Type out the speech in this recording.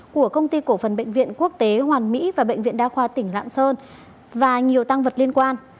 của công ty cổ phần bệnh viện quốc tế hoàn mỹ và bệnh viện đa khoa tỉnh lạng sơn và nhiều tăng vật liên quan